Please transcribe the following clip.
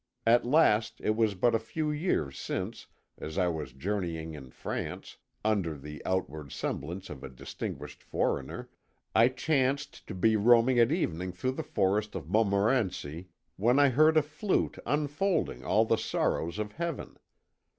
At last, it was but a few years since, as I was journeying in France, under the outward semblance of a distinguished foreigner, I chanced to be roaming at evening through the forest of Montmorency, when I heard a flute unfolding all the sorrows of Heaven.